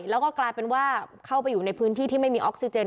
แล้วก็กลายเป็นว่าเข้าไปอยู่ในพื้นที่ที่ไม่มีออกซิเจน